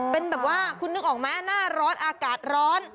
เป็นแบบว่าคุณนึกออกไหมหน้าร้อนอากาศร้อน